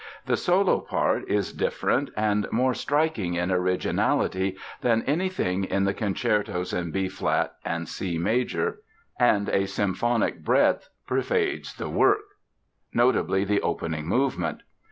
The solo part is different and more striking in originality than anything in the concertos in B flat and C major; and a symphonic breadth pervades the work, notably the opening movement.